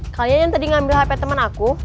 kalian yang tadi ngambil hp temen aku